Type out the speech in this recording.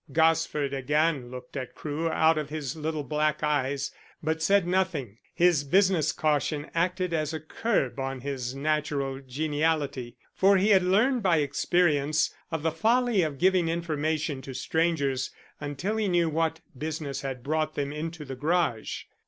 Gosford again looked at Crewe out of his little black eyes, but said nothing. His business caution acted as a curb on his natural geniality, for he had learnt by experience of the folly of giving information to strangers until he knew what business brought them into the garage.